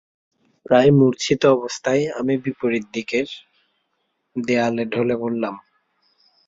প্রায় মুর্ছিত অবস্থায় আমি বিপরীত দিকের দেয়ালে ঢলে পড়লাম।